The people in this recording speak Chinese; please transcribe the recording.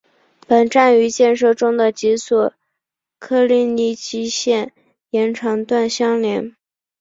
本站与建设中的及索科利尼基线延长段相连。